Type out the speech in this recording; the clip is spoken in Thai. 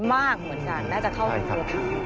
มากเหมือนกันน่าจะเข้า